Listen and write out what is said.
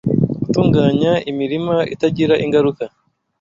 Gutunganya imirima itagira ingaruka